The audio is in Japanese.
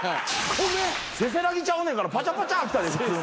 せせらぎちゃうねんからパチャパチャ来たで普通に。